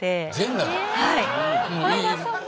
はい。